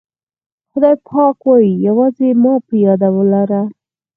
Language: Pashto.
خدای پاک وایي یوازې ما په یاد ولره.